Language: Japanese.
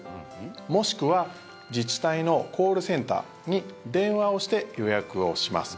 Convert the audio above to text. もしくは、自治体のコールセンターに電話をして予約をします。